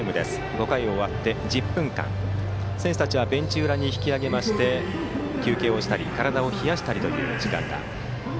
５回終わって１０分間選手たちはベンチ裏に引き揚げ休憩をしたり体を冷やしたりする時間があります。